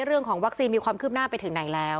เรื่องของวัคซีนมีความคืบหน้าไปถึงไหนแล้ว